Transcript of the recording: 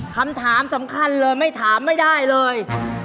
คำถามสำคัญเลยไม่ถามไม่ได้เลย